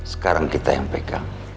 sekarang kita yang pk